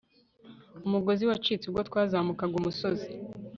umugozi wacitse ubwo twazamukaga umusozi